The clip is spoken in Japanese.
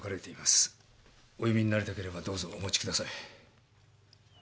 お読みになりたければどうぞお持ちください。